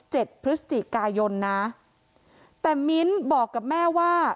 พฤศจิกายนนะแต่มิ้นบอกกับแม่ว่า